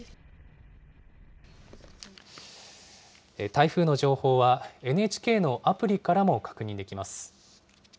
台風の情報は、ＮＨＫのアプリからも確認できます。